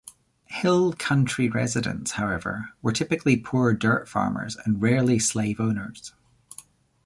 Hill country residents, however, were typically poor dirt-farmers and rarely slave owners.